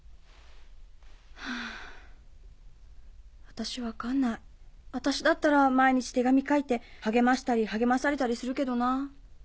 私分かんない私だったら毎日手紙書いて励ましたり励まされたりするけどな。